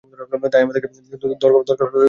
তাই আমাদেরকে দরকার হলে বলতে দ্বিধা করবে না।